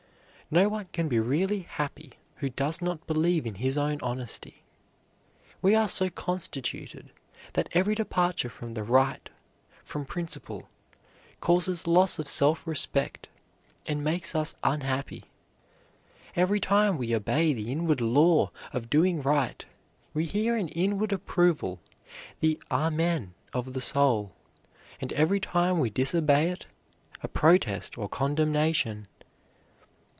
No one can be really happy who does not believe in his own honesty. We are so constituted that every departure from the right, from principle, causes loss of self respect, and makes us unhappy. Every time we obey the inward law of doing right we hear an inward approval, the amen of the soul, and every time we disobey it, a protest or condemnation.